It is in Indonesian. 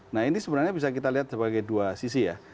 nah ini sebenarnya bisa kita lihat sebagai dua sisi ya